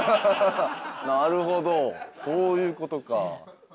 なるほどそういうことか。